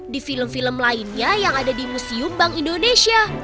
di film film lainnya yang ada di museum bank indonesia